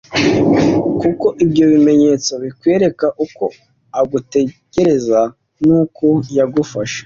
kuko ibyo bimenyetso bikwereka uko agutekereza n’uko yagufashe